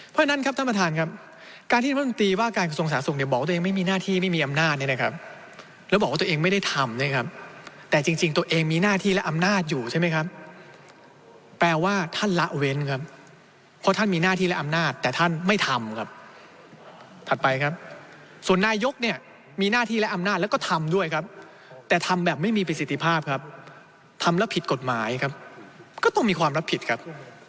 เพราะฉะนั้นครับท่านประธานครับการที่นำพันธุ์ตีว่าการส่งสาธารณ์ส่งเนี่ยบอกว่าตัวเองไม่มีหน้าที่ไม่มีอำนาจเนี่ยนะครับแล้วบอกว่าตัวเองไม่ได้ทำเนี่ยครับแต่จริงตัวเองมีหน้าที่และอำนาจอยู่ใช่มั้ยครับแปลว่าท่านละเว้นครับเพราะท่านมีหน้าที่และอำนาจแต่ท่านไม่ทำครับถัดไปครับ